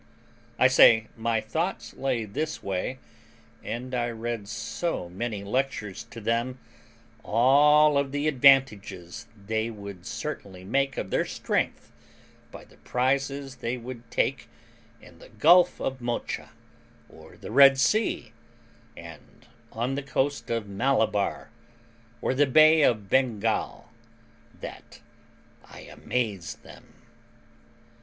I say, my thoughts lay this way; and I read so many lectures to them all of the advantages they would certainly make of their strength by the prizes they would take in the Gulf of Mocha, or the Red Sea, and on the coast of Malabar, or the Bay of Bengal, that I amazed them.